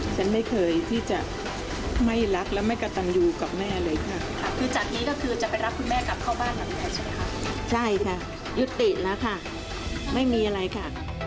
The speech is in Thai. ใช่ค่ะยุติแล้วค่ะไม่มีอะไรค่ะ